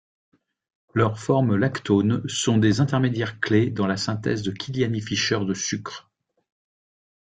Leur formes lactones sont des intermédiaires-clés dans la synthèse de Kiliani-Fischer de sucres.